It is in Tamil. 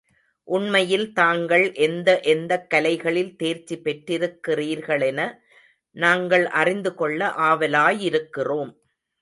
உண்மையில் தாங்கள் எந்த எந்தக் கலைகளில் தேர்ச்சி பெற்றிருக்கிறீர்களென நாங்கள் அறிந்துகொள்ள ஆவலாயிருக்கிறோம்.